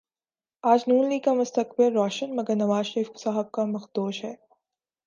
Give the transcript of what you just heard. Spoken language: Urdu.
آج نون لیگ کا مستقبل روشن مگر نوازشریف صاحب کا مخدوش ہے